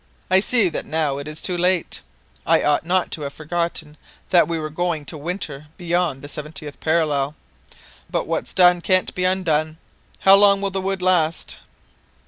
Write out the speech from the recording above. I see that now it is too late. I ought not to have forgotten that we were going to winter beyond the seventieth parallel. But what's done can't be undone. How long will the wood last?"